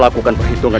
aku harus membantu dia